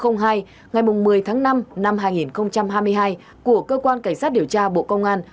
ngày một mươi tháng năm năm hai nghìn hai mươi hai của cơ quan cảnh sát điều tra bộ công an